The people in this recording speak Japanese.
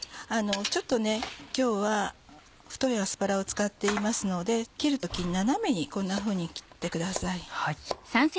ちょっと今日は太いアスパラを使っていますので切る時に斜めにこんなふうに切ってください。